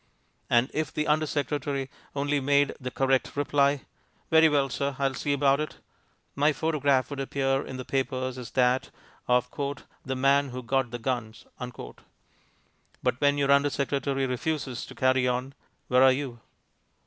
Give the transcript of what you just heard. And if the undersecretary only made the correct reply, "Very well, sir, I'll see about it," my photograph would appear in the papers as that of "the man who got the guns." But when your under secretary refuses to carry on, where are you?